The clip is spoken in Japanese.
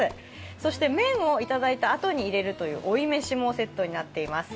そして麺をいただいたあとに入れるという追い飯もセットになっています。